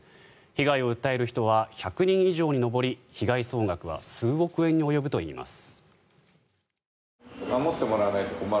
被害を訴える人は１００人以上に上り被害総額は数億円に及ぶといいます。